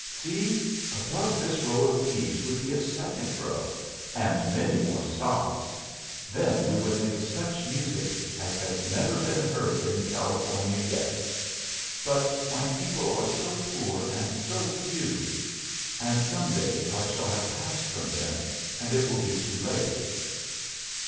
See! above this row of keys would be a second row, and many more stops. Then we would make such music as has never been heard in California yet. But my people are so poor and so few! And some day I shall have passed from them, and it will be too late."